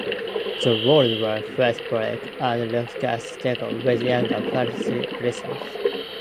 The walls were face brick and roughcast stucco with Yangan freestone dressings.